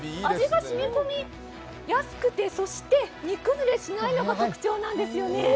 味がしみ込みやすくて煮崩れしないのが特徴なんですよね。